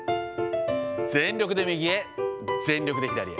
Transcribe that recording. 全力で右へ、全力で左へ。